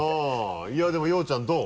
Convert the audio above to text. いやでも庸生ちゃんどう？